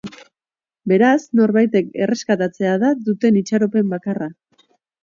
Beraz, norbaitek erreskatatzea da duten itxaropen bakarra.